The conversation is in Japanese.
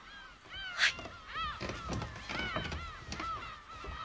はい。